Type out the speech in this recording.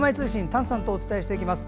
丹さんとお伝えします。